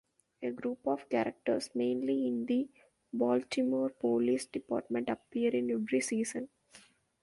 A group of characters, mainly in the Baltimore Police Department, appear in every season.